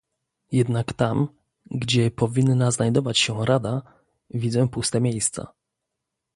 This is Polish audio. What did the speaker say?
Jednak tam, gdzie powinna znajdować się Rada, widzę puste miejsca